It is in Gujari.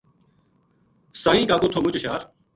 سائیں کاکو تھو مُچ ہشیار